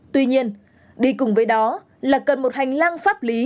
tuy nhiên đi cùng với đó là cần một hành lang pháp lý an toàn của wefinex